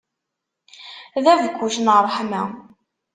D abekkuc n ṛṛeḥma.